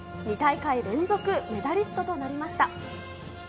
２大会連続メダリストとなりました。